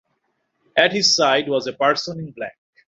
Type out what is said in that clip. At his side was a person in black.